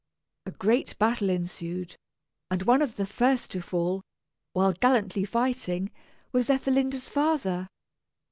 A great battle ensued, and one of the first to fall, while gallantly fighting, was Ethelinda's father.